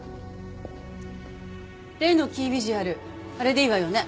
例のキービジュアルあれでいいわよね？